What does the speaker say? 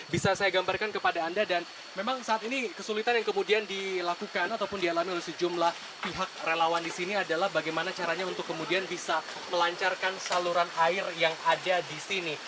bisa saya gambarkan kepada anda dan memang saat ini kesulitan yang kemudian dilakukan ataupun dialami oleh sejumlah pihak relawan di sini adalah bagaimana caranya untuk kemudian bisa melancarkan saluran air yang ada di sini